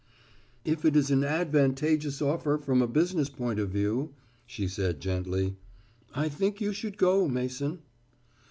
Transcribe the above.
"If it is an advantageous offer from a business point of view," she said gently, "I think you should go, Mason."